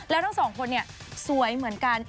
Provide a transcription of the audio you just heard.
แล้วทั้งสองคนเนี่ยสวยเหมือนกัน